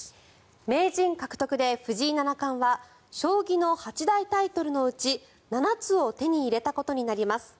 名人獲得で藤井七冠は将棋の八大タイトルのうち７つを手に入れたことになります。